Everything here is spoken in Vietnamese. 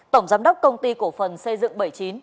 tổng giám đốc công ty cổ phần xây dựng bảy mươi chín